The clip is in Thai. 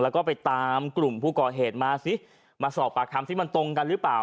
แล้วก็ไปตามกลุ่มผู้ก่อเหตุมาสิมาสอบปากคำซิมันตรงกันหรือเปล่า